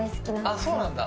そうなんだ。